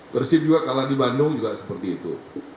persib juga kalah di bandung juga seperti itu